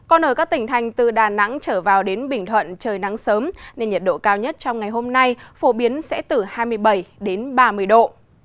còn ở các tỉnh thành từ đà nẵng trở vào đến bình thuận trời nắng sớm nên nhiệt độ cao nhất trong ngày hôm nay phổ biến sẽ từ hai mươi bảy đến ba mươi độ